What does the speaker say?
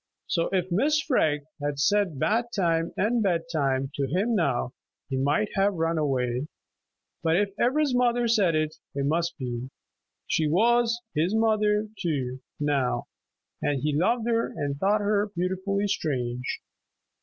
So if Mrs. Freg had said "bath time and bed time" to him now, he might have run away. But if Ivra's mother said it, it must be. She was his mother too, now, and he loved her and thought her beautifully strange.